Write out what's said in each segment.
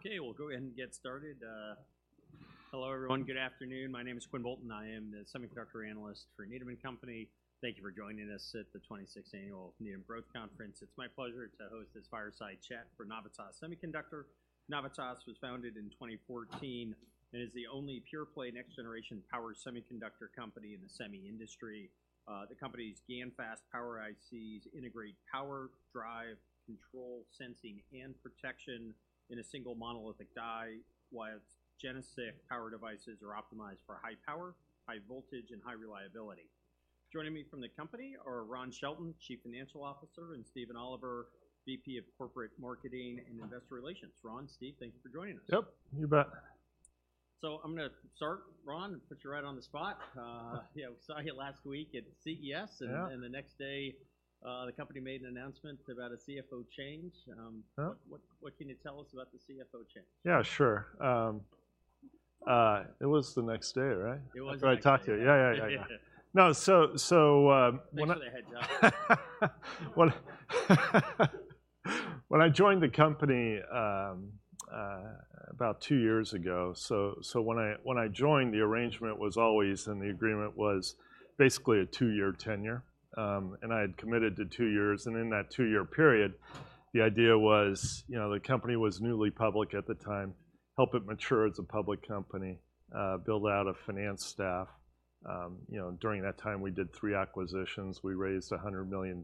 Okay, we'll go ahead and get started. Hello, everyone. Good afternoon. My name is Quinn Bolton. I am the Semiconductor Analyst for Needham & Company. Thank you for joining us at the 26th Annual Needham Growth Conference. It's my pleasure to host this fireside chat for Navitas Semiconductor. Navitas was founded in 2014, and is the only pure-play, next-generation power semiconductor company in the semi industry. The company's GaNFast power ICs integrate power, drive, control, sensing, and protection in a single monolithic die, while its GeneSiC power devices are optimized for high power, high voltage, and high reliability. Joining me from the company are Ron Shelton, Chief Financial Officer, and Stephen Oliver, VP of Corporate Marketing and Investor Relations. Ron, Steve, thank you for joining us. Yep, you bet. So I'm gonna start, Ron, put you right on the spot. Yeah, we saw you last week at CES. Yeah. The next day, the company made an announcement about a CFO change. Uh-huh. What, what, what can you tell us about the CFO change? Yeah, sure. It was the next day, right? It was the next day. When I talked to you. Yeah, yeah, yeah, yeah. No. So, so, when I. Makes it a head job. When I joined the company about two years ago, so when I joined, the arrangement was always, and the agreement was basically a two-year tenure. And I had committed to two years, and in that two-year period, the idea was, you know, the company was newly public at the time, help it mature as a public company, build out a finance staff. You know, during that time, we did three acquisitions. We raised $100 million.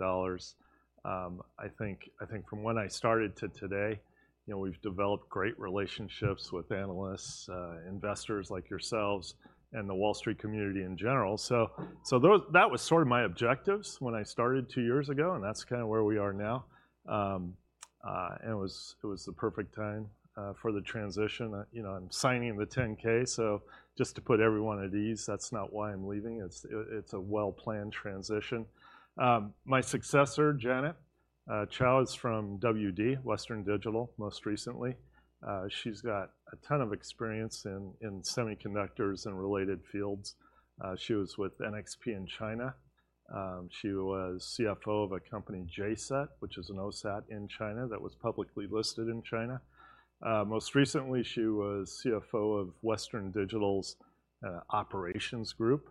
I think from when I started to today, you know, we've developed great relationships with analysts, investors like yourselves, and the Wall Street community in general. So that was sort of my objectives when I started two years ago, and that's kind of where we are now. And it was the perfect time for the transition. You know, I'm signing the 10-K, so just to put everyone at ease, that's not why I'm leaving. It's a well-planned transition. My successor, Janet Chou, is from WD, Western Digital, most recently. She's got a ton of experience in semiconductors and related fields. She was with NXP in China. She was CFO of a company, JCET, which is an OSAT in China, that was publicly listed in China. Most recently, she was CFO of Western Digital's operations group.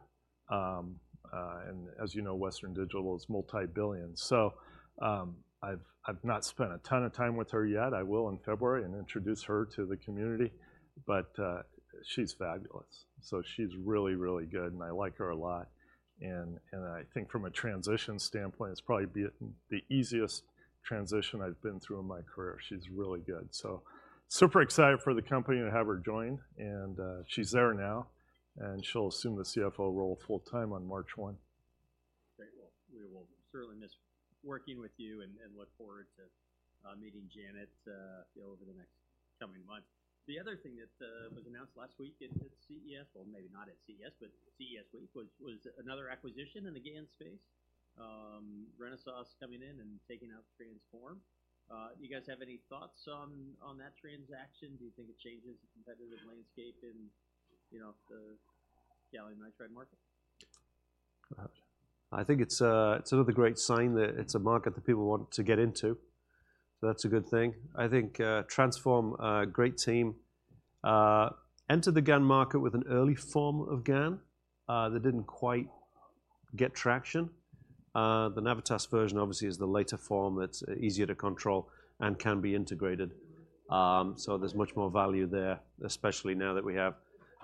And as you know, Western Digital is multi-billion. So, I've not spent a ton of time with her yet. I will in February and introduce her to the community, but she's fabulous. So she's really, really good, and I like her a lot, and I think from a transition standpoint, it's probably the easiest transition I've been through in my career. She's really good. So super excited for the company to have her join, and she's there now, and she'll assume the CFO role full-time on March 1. Great. Well, we will certainly miss working with you and look forward to meeting Janet, you know, over the next coming months. The other thing that was announced last week at CES, well, maybe not at CES, but CES week, was another acquisition in the GaN space. Renesas coming in and taking out Transphorm. Do you guys have any thoughts on that transaction? Do you think it changes the competitive landscape in, you know, the gallium nitride market? Perhaps. I think it's a, sort of a great sign that it's a market that people want to get into, so that's a good thing. I think, Transphorm, a great team, entered the GaN market with an early form of GaN, that didn't quite get traction. The Navitas version obviously is the later form that's easier to control and can be integrated. So there's much more value there, especially now that we have,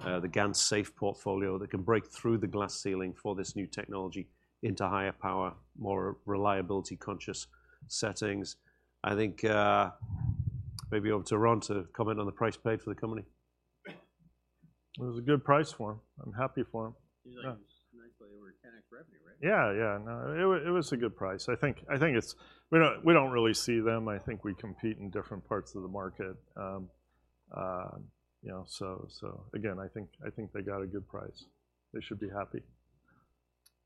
the GaNSafe portfolio that can break through the glass ceiling for this new technology into higher power, more reliability-conscious settings. I think, maybe over to Ron to comment on the price paid for the company. It was a good price for them. I'm happy for them. Yeah. Nicely over 10x revenue, right? Yeah, yeah. No, it was, it was a good price. I think, I think it's. We don't, we don't really see them. I think we compete in different parts of the market. You know, so, so again, I think, I think they got a good price. They should be happy.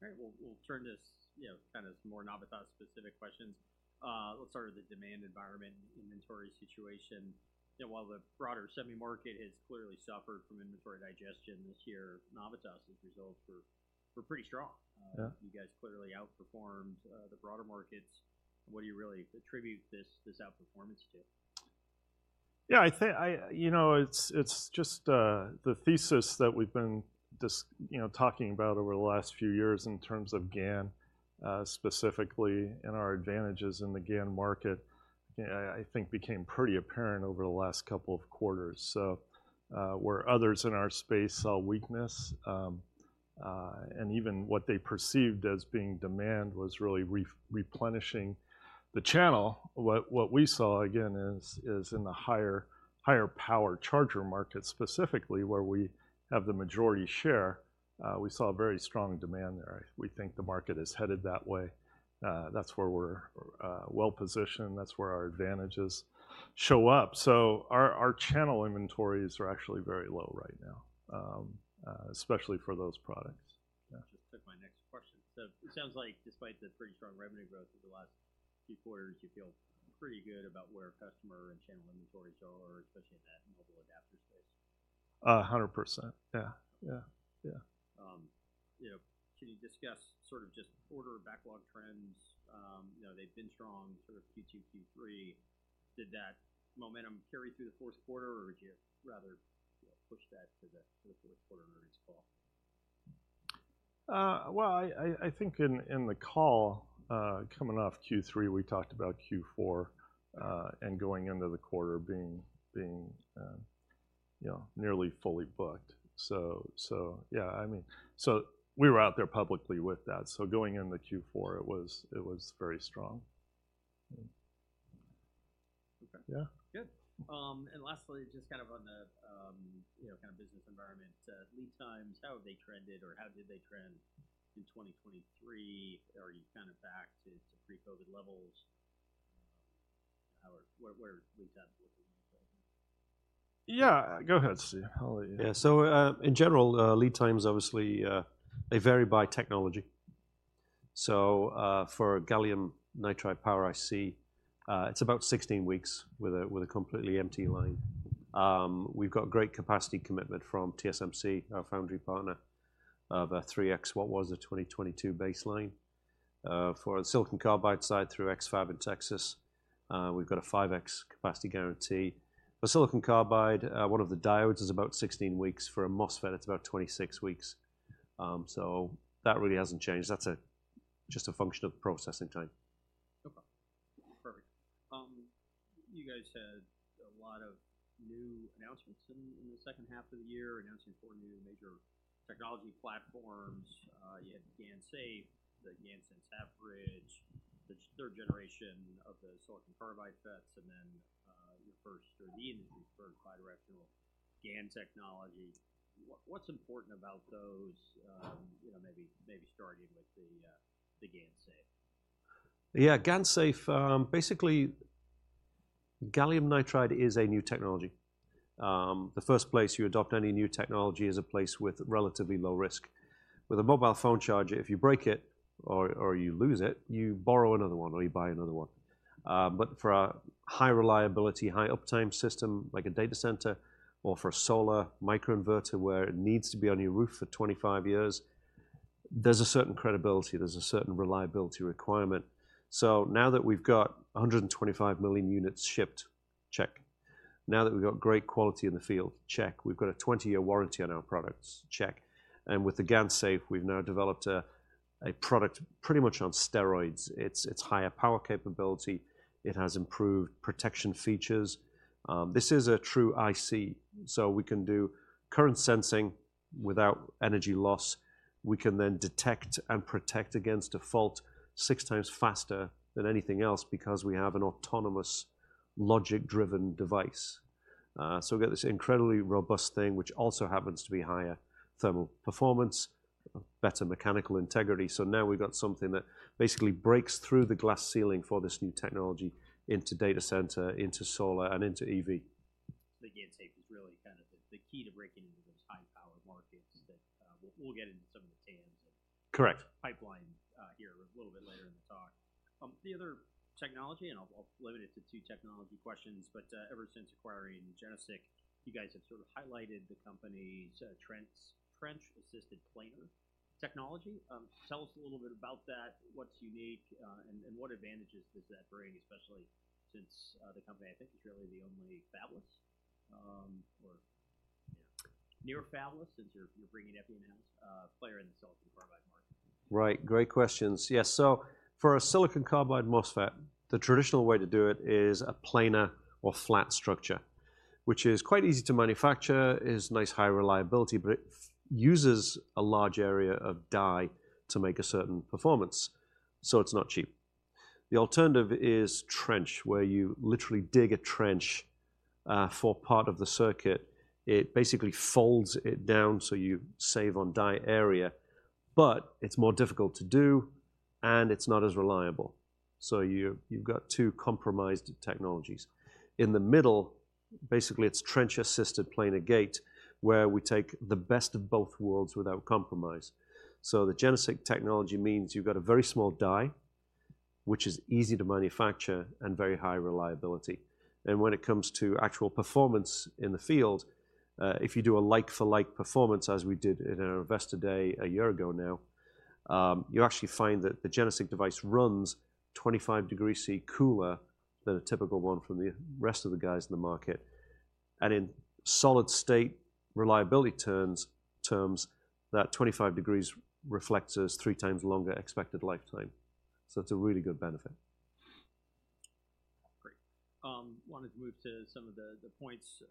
Great, we'll turn to you know, kind of more Navitas-specific questions. Let's start with the demand environment, inventory situation. You know, while the broader semi market has clearly suffered from inventory digestion this year, Navitas' results were pretty strong. Yeah. You guys clearly outperformed the broader markets. What do you really attribute this, this outperformance to? Yeah, I think I. You know, it's just the thesis that we've been discussing, you know, talking about over the last few years in terms of GaN specifically, and our advantages in the GaN market, I think became pretty apparent over the last couple of quarters. So, where others in our space saw weakness, and even what they perceived as being demand was really replenishing the channel. What we saw, again, is in the higher power charger market, specifically, where we have the majority share, we saw very strong demand there. We think the market is headed that way. That's where we're well-positioned, that's where our advantages show up. So our channel inventories are actually very low right now, especially for those products. Yeah, just took my next question. So it sounds like despite the pretty strong revenue growth over the last few quarters, you feel pretty good about where customer and channel inventories are, especially in that. 100%. Yeah. Yeah, yeah. You know, can you discuss sort of just order backlog trends? You know, they've been strong sort of Q2, Q3. Did that momentum carry through the fourth quarter, or would you rather, you know, push that to the fourth quarter earnings call? Well, I think in the call coming off Q3, we talked about Q4 and going into the quarter being you know nearly fully booked. So yeah, I mean, so we were out there publicly with that. So going into Q4, it was very strong. Okay. Yeah. Good. And lastly, just kind of on the, you know, kind of business environment, lead times, how have they trended or how did they trend in 2023? Are you kind of back to pre-COVID levels? How are where lead times looking? Yeah, go ahead, Steve. I'll let you. Yeah. So, in general, lead times, obviously, they vary by technology. So, for gallium nitride power IC, it's about 16 weeks with a, with a completely empty line. We've got great capacity commitment from TSMC, our foundry partner, of, 3x what was the 2022 baseline. For the silicon carbide side, through X-FAB in Texas, we've got a 5x capacity guarantee. For silicon carbide, one of the diodes is about 16 weeks. For a MOSFET, it's about 26 weeks. So that really hasn't changed. That's a, just a function of processing time. Okay, perfect. You guys had a lot of new announcements in the second half of the year, announcing four new major technology platforms. You had GaNSafe, the GaNSense half-bridge, the third generation of the silicon carbide FETs, and then your first or the industry's first bi-directional GaN technology. What's important about those? You know, maybe starting with the GaNSafe. Yeah, GaNSafe, basically, gallium nitride is a new technology. The first place you adopt any new technology is a place with relatively low risk. With a mobile phone charger, if you break it or you lose it, you borrow another one, or you buy another one. But for a high reliability, high uptime system, like a data center or for a solar microinverter, where it needs to be on your roof for 25 years, there's a certain credibility, there's a certain reliability requirement. So now that we've got 125 million units shipped, check. Now that we've got great quality in the field, check. We've got a 20-year warranty on our products, check. And with the GaNSafe, we've now developed a product pretty much on steroids. It's higher power capability. It has improved protection features. This is a true IC, so we can do current sensing without energy loss. We can then detect and protect against a fault 6x faster than anything else because we have an autonomous, logic-driven device. So we've got this incredibly robust thing, which also happens to be higher thermal performance, better mechanical integrity. So now we've got something that basically breaks through the glass ceiling for this new technology into data center, into solar, and into EV. The GaNSafe is really kind of the key to breaking into those high-power markets that, we'll get into some of the TAMs and. Correct. Pipeline, here a little bit later in the talk. The other technology, and I'll, I'll limit it to two technology questions, but, ever since acquiring GeneSiC, you guys have sort of highlighted the company's, trench, trench-assisted planar technology. Tell us a little bit about that, what's unique, and, and what advantages does that bring, especially since, the company, I think, is really the only fabless, or yeah, near fabless, since you're, you're bringing epi out, player in the silicon carbide market. Right. Great questions. Yes, so for a silicon carbide MOSFET, the traditional way to do it is a planar or flat structure, which is quite easy to manufacture, is nice high reliability, but it uses a large area of die to make a certain performance, so it's not cheap. The alternative is trench, where you literally dig a trench, for part of the circuit. It basically folds it down, so you save on die area, but it's more difficult to do, and it's not as reliable. So you, you've got two compromised technologies. In the middle, basically, it's trench-assisted planar gate, where we take the best of both worlds without compromise. So the GeneSiC technology means you've got a very small die, which is easy to manufacture and very high reliability. When it comes to actual performance in the field, if you do a like-for-like performance, as we did in our Investor Day a year ago now, you actually find that the GeneSiC device runs 25 degrees Celsius cooler than a typical one from the rest of the guys in the market. In solid-state reliability terms, that 25 degrees reflects as 3x longer expected lifetime. It's a really good benefit. Great. Wanted to move to some of the points,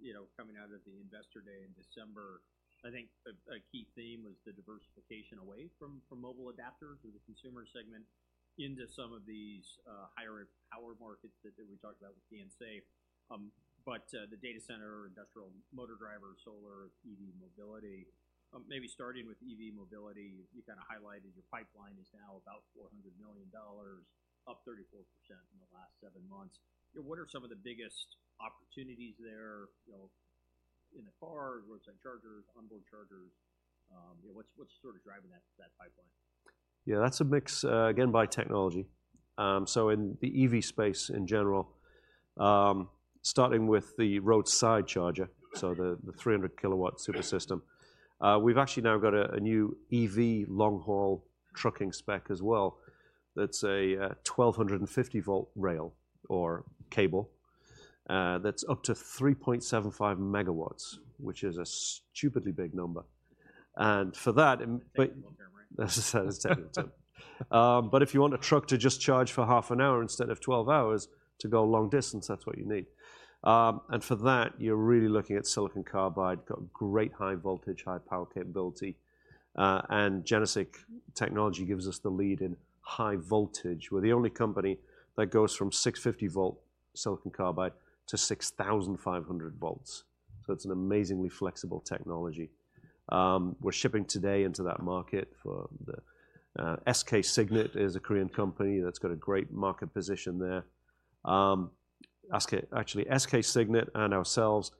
you know, coming out of the Investor Day in December. I think a key theme was the diversification away from mobile adapters or the consumer segment into some of these higher power markets that we talked about with GaNSafe. But the data center, industrial motor drivers, solar, EV mobility. Maybe starting with EV mobility, you kind of highlighted your pipeline is now about $400 million, up 34% in the last seven months. You know, what are some of the biggest opportunities there, you know, in the cars, roadside chargers, onboard chargers? You know, what's sort of driving that pipeline? Yeah, that's a mix, again, by technology. So in the EV space in general, starting with the roadside charger, so the 300 kW super system, we've actually now got a new EV long-haul trucking spec as well. That's a 1,250 V rail or cable, that's up to 3.75 MW, which is a stupidly big number. And for that, it. Right? If you want a truck to just charge for half an hour instead of 12 hours to go a long distance, that's what you need. For that, you're really looking at silicon carbide. Got great high voltage, high power capability, and GeneSiC technology gives us the lead in high voltage. We're the only company that goes from 650 V silicon carbide to 6,500 V, so it's an amazingly flexible technology. We're shipping today into that market for the SK Signet is a Korean company that's got a great market position there. Actually, SK Signet and ourselves,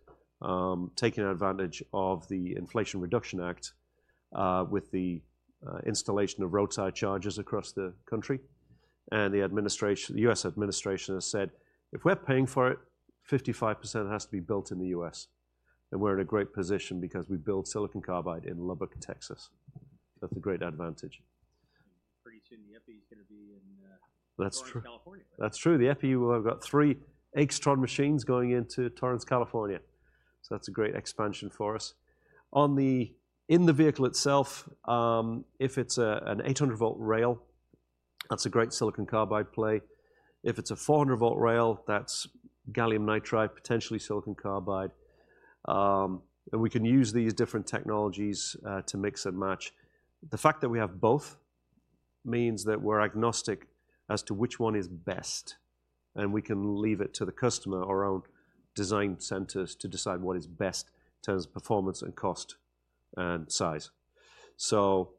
taking advantage of the Inflation Reduction Act, with the installation of roadside chargers across the country, and the U.S. administration has said, "If we're paying for it, 55% has to be built in the U.S." We're in a great position because we build silicon carbide in Lubbock, Texas. That's a great advantage. Pretty soon, the epi is gonna be in. That's true. California. That's true. The epi will have got three Aixtron machines going into Torrance, California, so that's a great expansion for us. In the vehicle itself, if it's an 800 V rail, that's a great silicon carbide play. If it's a 400 V rail, that's gallium nitride, potentially silicon carbide. And we can use these different technologies to mix and match. The fact that we have both means that we're agnostic as to which one is best, and we can leave it to the customer, or our own design centers, to decide what is best in terms of performance and cost, and size. So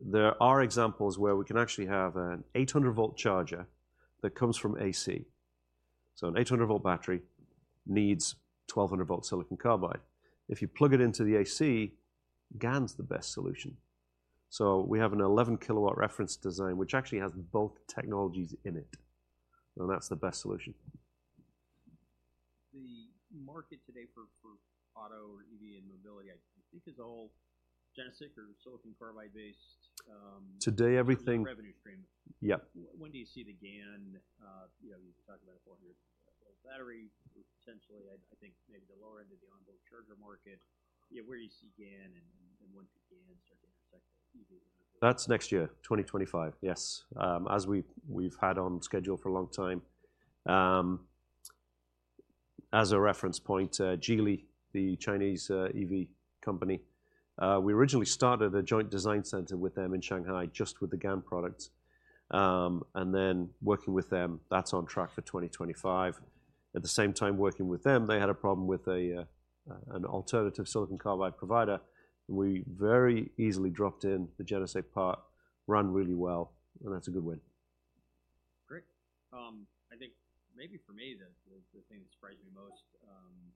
there are examples where we can actually have an 800 V charger that comes from AC. So an 800 V battery needs 1,200 V silicon carbide. If you plug it into the AC, GaN's the best solution. So we have an 11 kW reference design, which actually has both technologies in it, and that's the best solution. The market today for auto or EV and mobility, I think, is all GeneSiC or silicon carbide-based. Today, everything. Revenue stream. Yeah. When do you see the GaN, you know, you talked about 400 V battery, potentially, I think maybe the lower end of the onboard charger market. Yeah, where do you see GaN and when could GaN start to intersect easily? That's next year, 2025. Yes, as we've had on schedule for a long time. As a reference point, Geely, the Chinese EV company, we originally started a joint design center with them in Shanghai, just with the GaN product. And then working with them, that's on track for 2025. At the same time working with them, they had a problem with an alternative silicon carbide provider. We very easily dropped in the GeneSiC part, ran really well, and that's a good win. Great. I think maybe for me, the thing that surprised me most,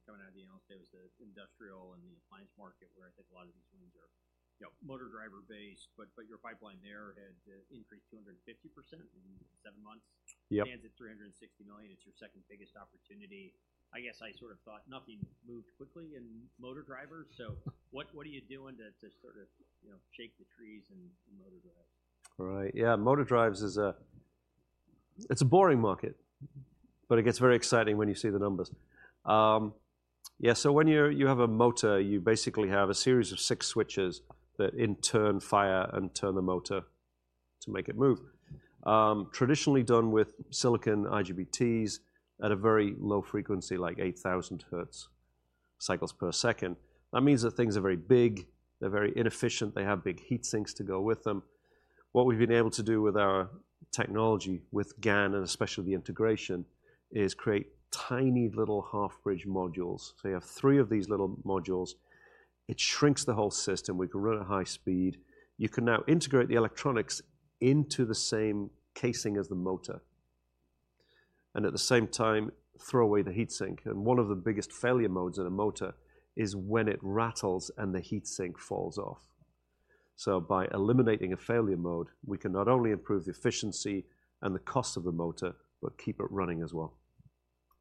coming out of the Analyst Day was the industrial and the appliance market, where I think a lot of these wins are, you know, motor driver based. But your pipeline there had increased 250% in seven months. Yep. Stands at $360 million. It's your second biggest opportunity. I guess I sort of thought nothing moved quickly in motor drivers, so what, what are you doing to, to sort of, you know, shake the trees in motor drives? Right. Yeah, motor drives is a, it's a boring market, but it gets very exciting when you see the numbers. Yeah, so when you have a motor, you basically have a series of six switches that in turn, fire and turn the motor to make it move. Traditionally done with silicon IGBTs at a very low frequency, like 8,000 Hz cycles per second. That means that things are very big, they're very inefficient, they have big heat sinks to go with them. What we've been able to do with our technology, with GaN, and especially the integration, is create tiny little half-bridge modules. So you have three of these little modules. It shrinks the whole system. We can run at high speed. You can now integrate the electronics into the same casing as the motor, and at the same time, throw away the heat sink. One of the biggest failure modes in a motor is when it rattles and the heat sink falls off. By eliminating a failure mode, we can not only improve the efficiency and the cost of the motor, but keep it running as well.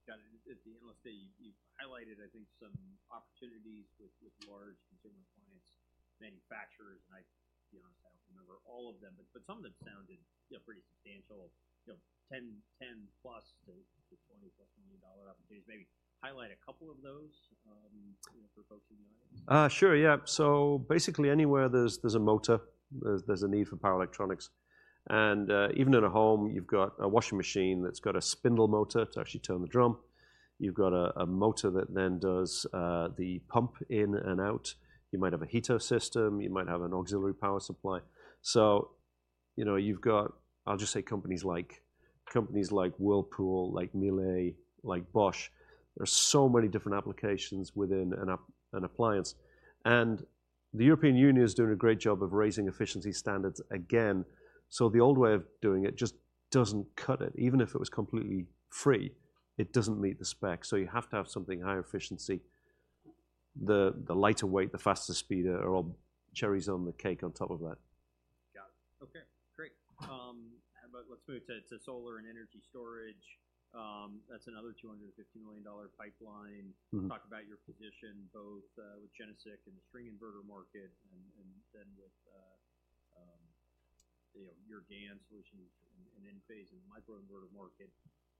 Got it. At the Analyst Day, you highlighted, I think, some opportunities with large consumer appliance manufacturers, and to be honest, I don't remember all of them, but some of them sounded, you know, pretty substantial. You know, $10+ million to $20+ million opportunities. Maybe highlight a couple of those, you know, for folks in the audience. Sure, yeah. So basically anywhere there's a motor, there's a need for power electronics. And even in a home, you've got a washing machine that's got a spindle motor to actually turn the drum. You've got a motor that then does the pump in and out. You might have a heater system, you might have an auxiliary power supply. So, you know, you've got, I'll just say companies like Whirlpool, like Miele, like Bosch, there are so many different applications within an appliance. And the European Union is doing a great job of raising efficiency standards again. So the old way of doing it just doesn't cut it. Even if it was completely free, it doesn't meet the specs, so you have to have something higher efficiency. The lighter weight, the faster speed are all cherries on the cake on top of that. Got it. Okay, great. How about let's move to solar and energy storage. That's another $250 million pipeline. Mm-hmm. Talk about your position both with GeneSiC and the string inverter market, and then with, you know, your GaN solutions and Enphase and the microinverter market.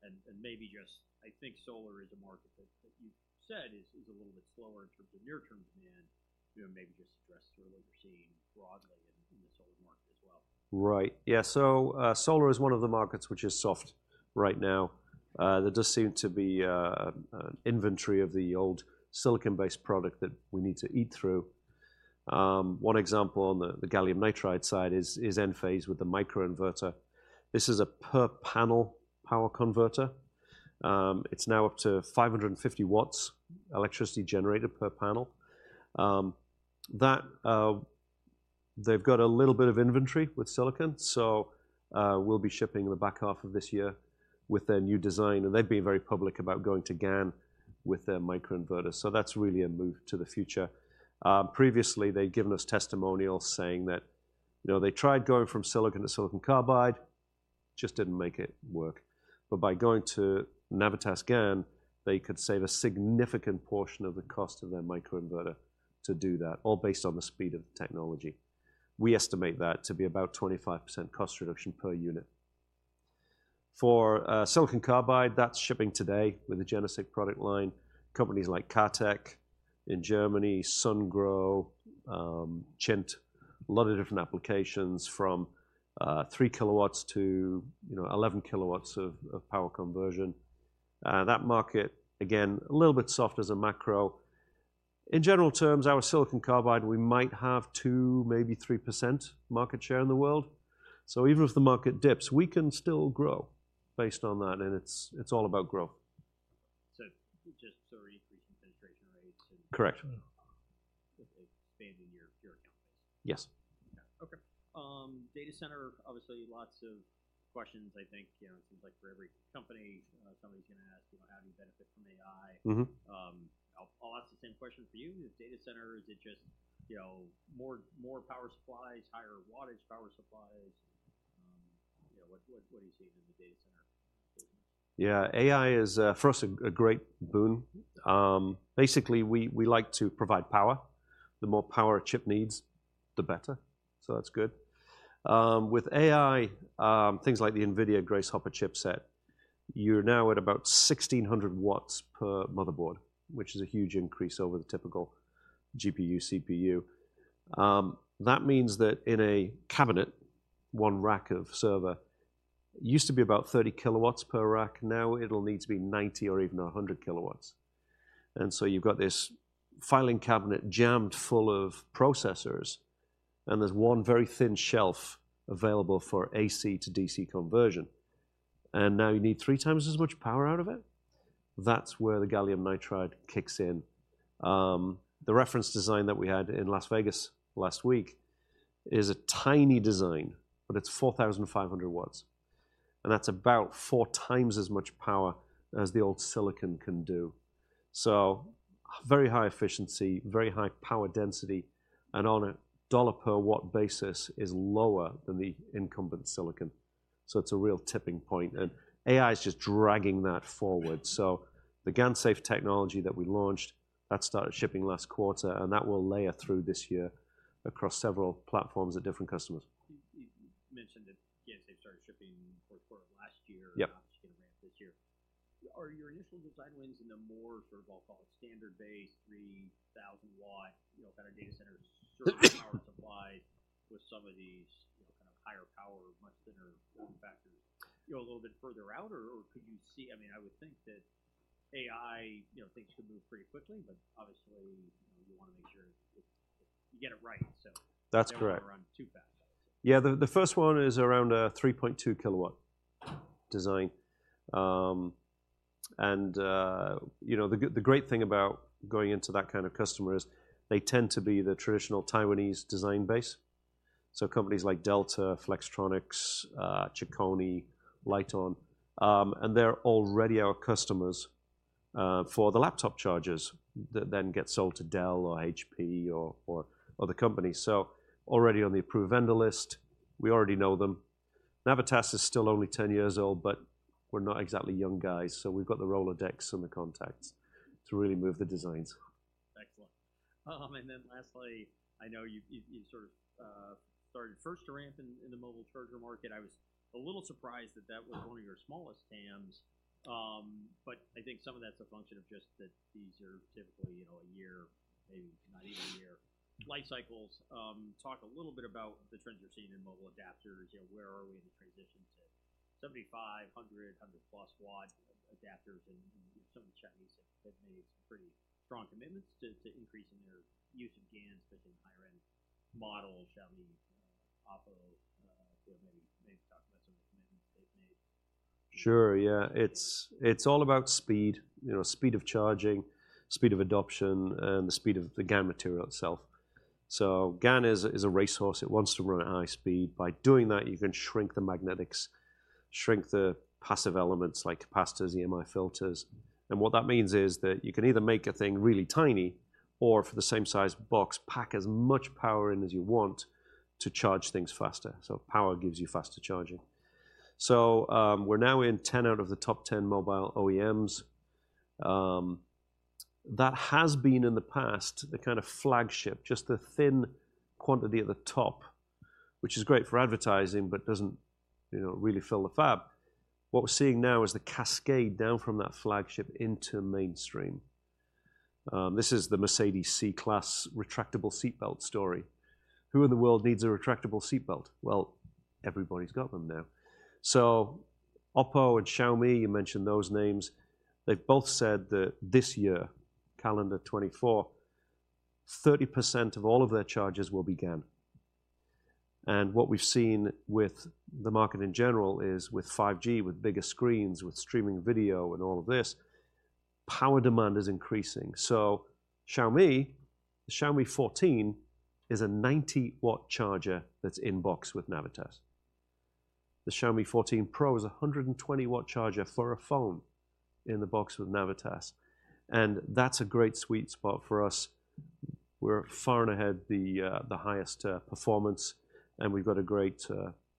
And maybe just, I think solar is a market that you've said is a little bit slower in terms of near-term demand. You know, maybe just address really what you're seeing broadly in the solar market as well. Right. Yeah, so solar is one of the markets which is soft right now. There does seem to be an inventory of the old silicon-based product that we need to eat through. One example on the gallium nitride side is Enphase with the microinverter. This is a per-panel power converter. It's now up to 550 W electricity generated per panel. They've got a little bit of inventory with silicon, so we'll be shipping in the back half of this year with their new design, and they've been very public about going to GaN with their microinverters. So that's really a move to the future. Previously, they'd given us testimonials saying that, you know, they tried going from silicon to silicon carbide, just didn't make it work. But by going to Navitas GaN, they could save a significant portion of the cost of their microinverter to do that, all based on the speed of the technology. We estimate that to be about 25% cost reduction per unit. For silicon carbide, that's shipping today with the GeneSiC product line. Companies like KATEK in Germany, Sungrow, Chint, a lot of different applications from 3 kW to, you know, 11 kW of power conversion. That market, again, a little bit soft as a macro. In general terms, our silicon carbide, we might have 2%, maybe 3% market share in the world. So even if the market dips, we can still grow based on that, and it's all about growth. Just sort of increasing penetration rates and. Correct. Expanding your account base. Yes. Yeah. Okay. Data center, obviously, lots of questions, I think, you know, it seems like for every company, somebody's going to ask, you know, how do you benefit from AI? Mm-hmm. I'll ask the same question for you. The data center, is it just, you know, more power supplies, higher wattage power supplies? You know, what are you seeing in the data center? Yeah, AI is for us a great boon. Basically, we like to provide power. The more power a chip needs, the better, so that's good. With AI, things like the NVIDIA Grace Hopper chipset, you're now at about 1,600 W per motherboard, which is a huge increase over the typical GPU, CPU. That means that in a cabinet, one rack of server, it used to be about 30 kW per rack. Now, it'll need to be 90 kW or even 100 kW. And so you've got this filing cabinet jammed full of processors, and there's one very thin shelf available for AC to DC conversion. And now you need 3x as much power out of it? That's where the gallium nitride kicks in. The reference design that we had in Las Vegas last week is a tiny design, but it's 4,500 W, and that's about 4x as much power as the old silicon can do. So very high efficiency, very high power density, and on a dollar per watt basis is lower than the incumbent silicon. So it's a real tipping point, and AI is just dragging that forward. So the GaNSafe technology that we launched, that started shipping last quarter, and that will layer through this year across several platforms at different customers. You mentioned that GaNSafe started shipping fourth quarter of last year. Yep. And obviously, going to ramp this year. Are your initial design wins in the more sort of, I'll call it, standard-based, 3,000 W, you know, kind of data center server power supply with some of these, you know, kind of higher power, much thinner form factors, you know, a little bit further out? Or, or could you see? I mean, I would think that AI, you know, things could move pretty quickly, but obviously, you know, you want to make sure it, you get it right. So. That's correct. Don't want to run too fast. Yeah, the first one is around a 3.2 kW design. And, you know, the great thing about going into that kind of customer is they tend to be the traditional Taiwanese design base. So companies like Delta, Flextronics, Chicony, Lite-On, and they're already our customers for the laptop chargers that then get sold to Dell or HP or other companies. So already on the approved vendor list, we already know them. Navitas is still only 10 years old, but we're not exactly young guys, so we've got the Rolodex and the contacts to really move the designs. Excellent. And then lastly, I know you sort of started first to ramp in the mobile charger market. I was a little surprised that that was one of your smallest TAMs. But I think some of that's a function of just that these are typically, you know, a year, maybe not even a year-life cycles. Talk a little bit about the trends you're seeing in mobile adapters. You know, where are we in the transition to 75 W, 100 W, 100+ W adapters, and some of the Chinese have made some pretty strong commitments to increasing their use of GaNs, especially in higher end models, Xiaomi, OPPO, maybe talk about some of the commitments they've made. Sure. Yeah, it's, it's all about speed, you know, speed of charging, speed of adoption, and the speed of the GaN material itself. So GaN is a, is a racehorse. It wants to run at high speed. By doing that, you can shrink the magnetics, shrink the passive elements like capacitors, EMI filters. And what that means is that you can either make a thing really tiny, or for the same size box, pack as much power in as you want to charge things faster. So power gives you faster charging. So, we're now in 10 out of the top 10 mobile OEMs. That has been, in the past, the kind of flagship, just the thin quantity at the top, which is great for advertising, but doesn't, you know, really fill the fab. What we're seeing now is the cascade down from that flagship into mainstream. This is the Mercedes C-Class retractable seatbelt story. Who in the world needs a retractable seatbelt? Well, everybody's got them now. So OPPO and Xiaomi, you mentioned those names, they've both said that this year, calendar 2024, 30% of all of their charges will be GaN. And what we've seen with the market in general is with 5G, with bigger screens, with streaming video and all of this, power demand is increasing. So Xiaomi, the Xiaomi 14 is a 90 W charger that's in box with Navitas. The Xiaomi 14 Pro is a 120 W charger for a phone in the box with Navitas, and that's a great sweet spot for us. We're far and ahead the the highest performance, and we've got a great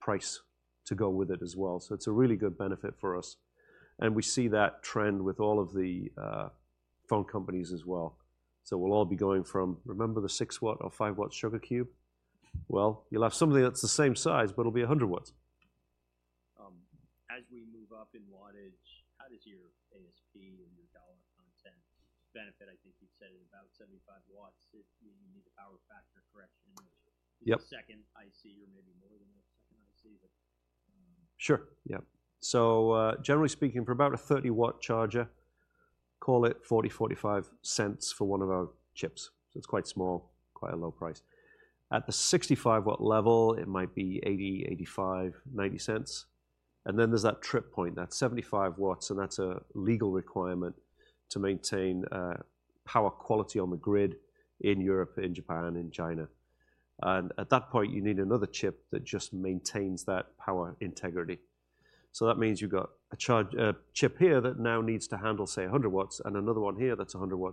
price to go with it as well, so it's a really good benefit for us. We see that trend with all of the phone companies as well. So we'll all be going from, remember the 6 W or 5 W sugar cube? Well, you'll have something that's the same size, but it'll be 100 W. As we move up in wattage, how does your ASP and your dollar content benefit? I think you'd said at about 75 W, it, you need the power factor correction, which. Yep. A second IC or maybe more than a second IC, but. Sure, yeah. So, generally speaking, for about a 30 W charger, call it $0.40, $0.45 for one of our chips. So it's quite small, quite a low price. At the 65 W level, it might be $0.80, $0.85, $0.90. And then there's that trip point, that 75 W, and that's a legal requirement to maintain power quality on the grid in Europe, in Japan, and in China. And at that point, you need another chip that just maintains that power integrity. So that means you've got a charge, a chip here that now needs to handle, say, a 100 W and another one here that's a 100 W.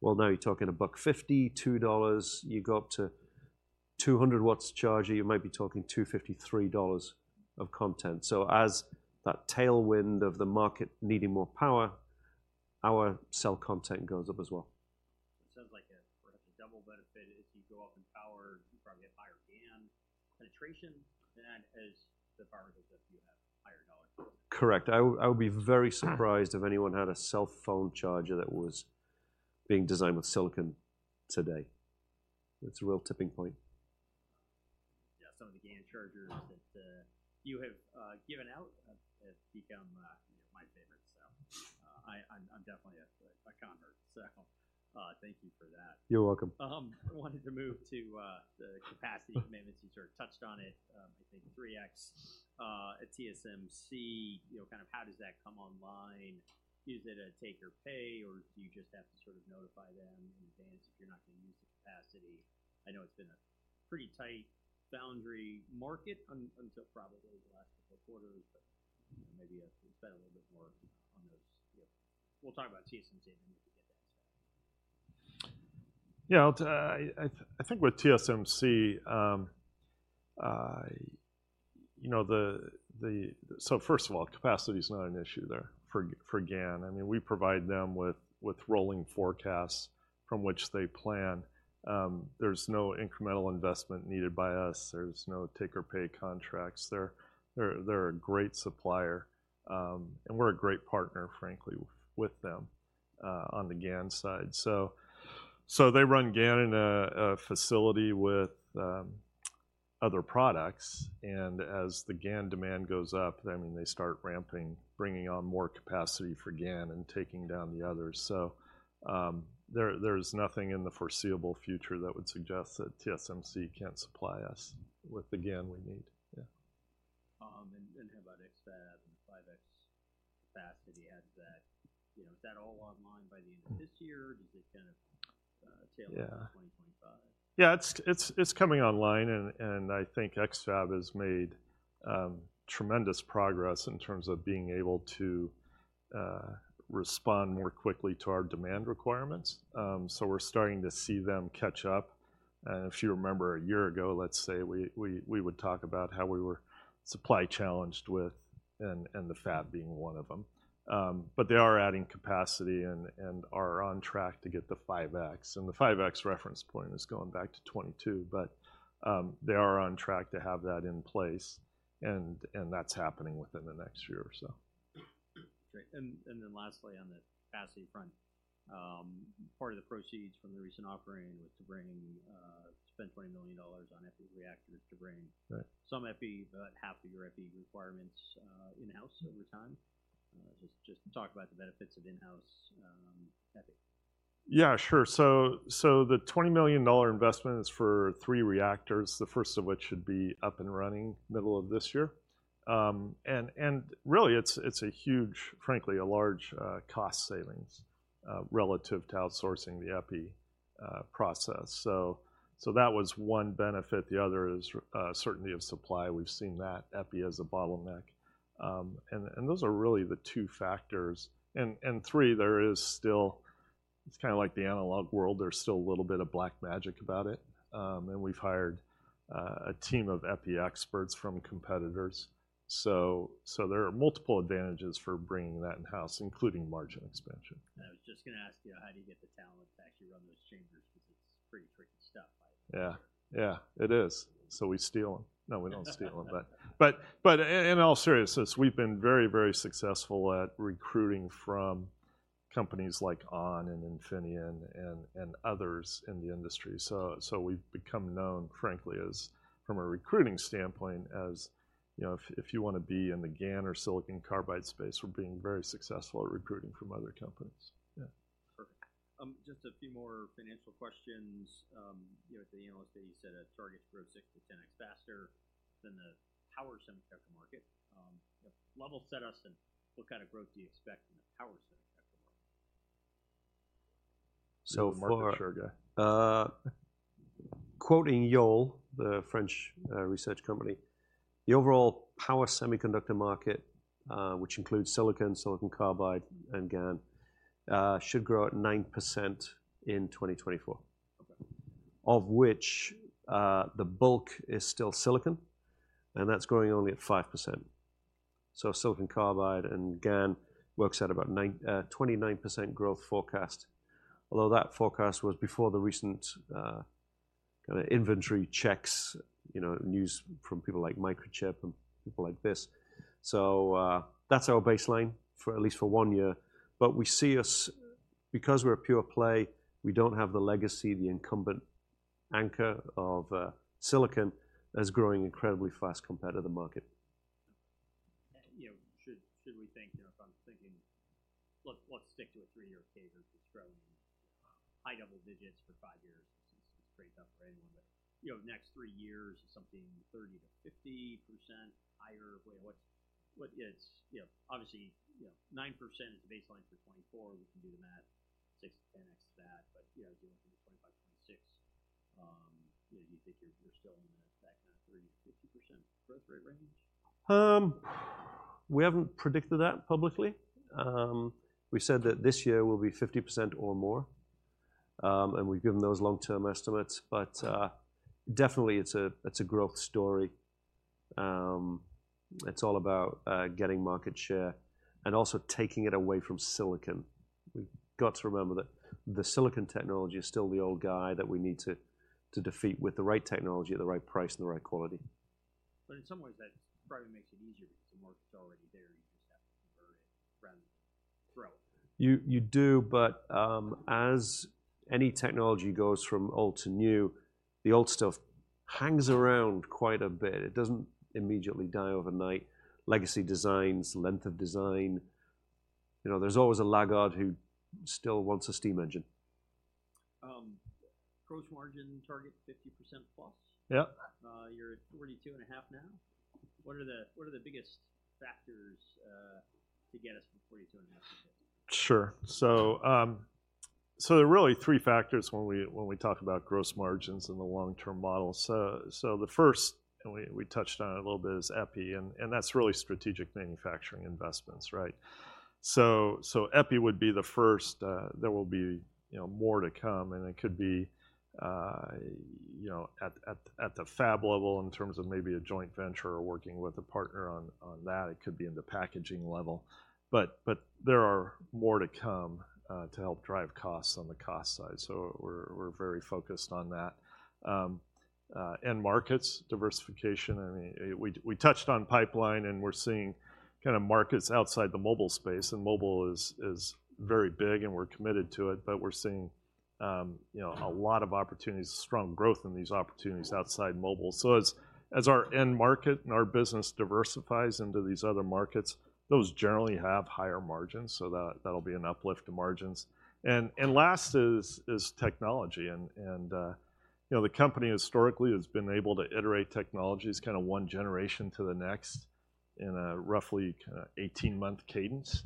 Well, now you're talking a $1.50, $2. You go up to 200 W charger, you might be talking $2.50, $3 of content. As that tailwind of the market needing more power, our cell content goes up as well. It sounds like a, perhaps a double benefit. As you go up in power, you probably get higher GaN penetration, then as the power goes up, you have higher dollar. Correct. I would be very surprised if anyone had a cell phone charger that was being designed with silicon today. It's a real tipping point. Yeah, some of the GaN chargers that you have given out have become, you know, my favorite. So, I'm definitely a convert, so thank you for that. You're welcome. I wanted to move to the capacity commitments. You sort of touched on it. I think 3x at TSMC, you know, kind of how does that come online? Is it a take or pay, or do you just have to sort of notify them in advance if you're not going to use the capacity? I know it's been a pretty tight foundry market until probably the last couple quarters, but maybe you can expand a little bit more on those. You know, we'll talk about TSMC when we get to it. Yeah, I think with TSMC, you know, so first of all, capacity is not an issue there for GaN. I mean, we provide them with rolling forecasts from which they plan. There's no incremental investment needed by us. There's no take or pay contracts. They're a great supplier, and we're a great partner, frankly, with them on the GaN side. So they run GaN in a facility with other products, and as the GaN demand goes up, then they start ramping, bringing on more capacity for GaN and taking down the others. So, there's nothing in the foreseeable future that would suggest that TSMC can't supply us with the GaN we need. Yeah. And how about X-FAB and the 5x capacity adds that, you know, is that all online by the end of this year, or does it kind of tail. Yeah. Into 2025? Yeah, it's coming online and I think X-FAB has made tremendous progress in terms of being able to respond more quickly to our demand requirements. So we're starting to see them catch up. And if you remember, a year ago, let's say, we would talk about how we were supply-challenged with, and the fab being one of them. But they are adding capacity and are on track to get the 5x. And the 5x reference point is going back to 2022, but they are on track to have that in place, and that's happening within the next year or so. Great. And then lastly, on the capacity front, part of the proceeds from the recent offering was to bring, spend $20 million on epi reactors to bring. Right. Some epi, about half of your epi requirements, in-house over time. Just talk about the benefits of in-house epi. Yeah, sure. So the $20 million investment is for three reactors, the first of which should be up and running middle of this year. And really, it's a huge, frankly, a large cost savings relative to outsourcing the epi process. So that was one benefit. The other is certainty of supply. We've seen that epi as a bottleneck. And those are really the two factors. And three, there is still. It's kind of like the analog world, there's still a little bit of black magic about it. And we've hired a team of epi experts from competitors. So there are multiple advantages for bringing that in-house, including margin expansion. I was just going to ask you, how do you get the talent to actually run those chambers? Because it's pretty tricky stuff. Yeah. Yeah, it is. So we steal them. No, we don't steal them. But in all seriousness, we've been very, very successful at recruiting from companies like ON and Infineon and others in the industry. So we've become known, frankly, as from a recruiting standpoint, as, you know, if you want to be in the GaN or silicon carbide space, we're being very successful at recruiting from other companies. Yeah. Perfect. Just a few more financial questions. You know, to the analyst that you said a target to grow 6x-10x faster than the power semiconductor market. Level set us, and what kind of growth do you expect from the power semiconductor market? So for. Market share guy. Quoting Yole, the French research company, the overall power semiconductor market, which includes silicon, silicon carbide, and GaN, should grow at 9% in 2024. Okay. Of which, the bulk is still silicon, and that's growing only at 5%. So silicon carbide and GaN works at about 29% growth forecast. Although that forecast was before the recent kind of inventory checks, you know, news from people like Microchip and people like this. So, that's our baseline for at least for one year. But we see us, because we're a pure play, we don't have the legacy, the incumbent anchor of silicon, as growing incredibly fast compared to the market. You know, should we think, you know, if I'm thinking, let's stick to a three-year cadence. It's growing high double digits for five years is great job for anyone. But, you know, next three years is something 30%-50% higher. What's it, you know, obviously, you know, 9% is the baseline for 2024. We can do the math, 6x-10x that. But, you know, going through 2025, 2026, you know, do you think you're still in that 30%-50% growth rate range? We haven't predicted that publicly. We said that this year will be 50% or more, and we've given those long-term estimates, but definitely it's a, it's a growth story. It's all about getting market share and also taking it away from silicon. We've got to remember that the silicon technology is still the old guy that we need to, to defeat with the right technology, at the right price, and the right quality. But in some ways, that probably makes it easier because the market's already there. You just have to convert it rather than grow. You do, but as any technology goes from old to new, the old stuff hangs around quite a bit. It doesn't immediately die overnight. Legacy designs, length of design, you know, there's always a laggard who still wants a steam engine. Gross margin target, 50%+? Yep. You're at 42.5% now. What are the, what are the biggest factors to get us from 42.5% to 50%? Sure. So, so there are really three factors when we, when we talk about gross margins and the long-term model. So, so the first, and we, we touched on it a little bit, is epi, and, and that's really strategic manufacturing investments, right? So, so epi would be the first, there will be, you know, more to come, and it could be, you know, at, at, at the fab level in terms of maybe a joint venture or working with a partner on, on that. It could be in the packaging level, but, but there are more to come, to help drive costs on the cost side. So we're, we're very focused on that. End markets, diversification, I mean, we touched on pipeline, and we're seeing kind of markets outside the mobile space, and mobile is very big, and we're committed to it, but we're seeing, you know, a lot of opportunities, strong growth in these opportunities outside mobile. So as our end market and our business diversifies into these other markets, those generally have higher margins, so that'll be an uplift to margins. And last is technology, and, you know, the company historically has been able to iterate technologies kind of one generation to the next in a roughly 18-month cadence.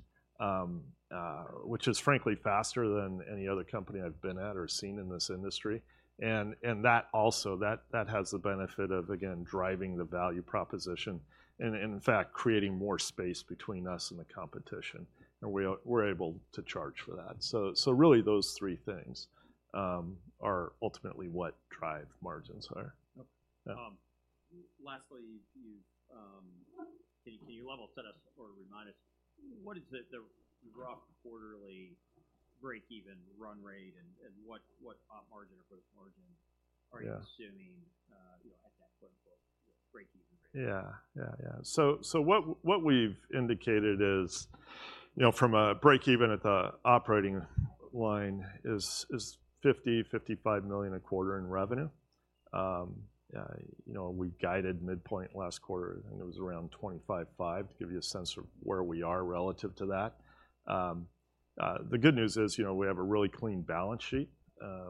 Which is frankly faster than any other company I've been at or seen in this industry. And that also has the benefit of, again, driving the value proposition and, in fact, creating more space between us and the competition, and we're able to charge for that. So really, those three things are ultimately what drive margins higher. Yep. Yeah. Lastly, can you level set us or remind us, what is the rough quarterly break-even run rate and what op margin or gross margin? Yeah. Are you assuming, you know, at that quote-unquote break-even rate? Yeah. Yeah, yeah. So what we've indicated is, you know, from a break-even at the operating line is $50 million-$55 million a quarter in revenue. You know, we guided midpoint last quarter, and it was around $25.5 million, to give you a sense of where we are relative to that. The good news is, you know, we have a really clean balance sheet.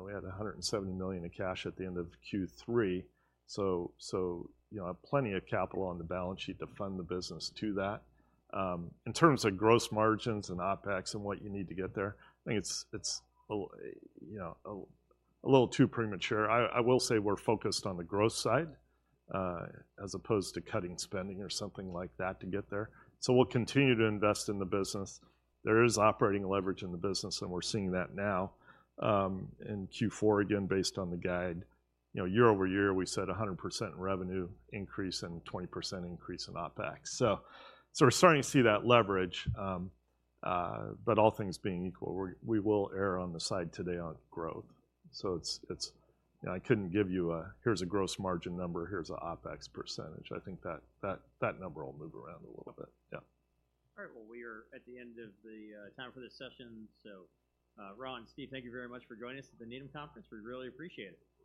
We had $170 million in cash at the end of Q3, so, you know, plenty of capital on the balance sheet to fund the business to that. In terms of gross margins and OpEx and what you need to get there, I think it's a little too premature. I will say we're focused on the growth side, as opposed to cutting spending or something like that to get there. So we'll continue to invest in the business. There is operating leverage in the business, and we're seeing that now. In Q4, again, based on the guide, you know, year-over-year, we said a 100% revenue increase and 20% increase in OpEx. So we're starting to see that leverage, but all things being equal, we will err on the side today on growth. So it's, you know, I couldn't give you a, "Here's a gross margin number, here's a OpEx percentage." I think that number will move around a little bit. Yeah. All right. Well, we are at the end of the time for this session. So, Ron, Steve, thank you very much for joining us at the Needham Conference. We really appreciate it.